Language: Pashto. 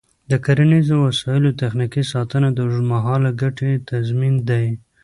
د کرنیزو وسایلو تخنیکي ساتنه د اوږدمهاله ګټې تضمین دی.